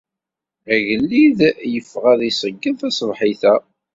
Agellid yeffeɣ ad iṣeyyed taṣebḥit-a.